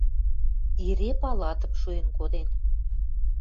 Ире палатым шуэн коден